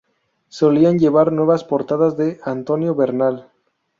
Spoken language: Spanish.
Solían llevar nuevas portadas de Antonio Bernal.